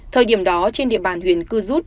thời điểm đó trên địa bàn huyện cư rút